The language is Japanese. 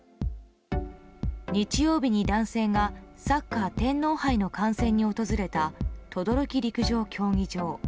日曜日に男性がサッカー天皇杯の観戦に訪れた等々力陸上競技場。